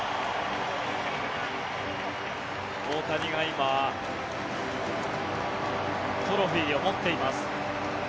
大谷が今、トロフィーを持っています。